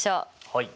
はい。